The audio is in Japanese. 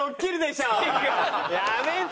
やめて！